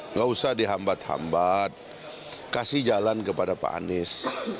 nggak usah dihambat hambat kasih jalan kepada pak anies